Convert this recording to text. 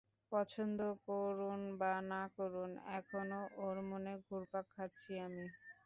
পছন্দ করুন বা না করুন, এখনও ওর মনে ঘুরপাক খাচ্ছি আমি।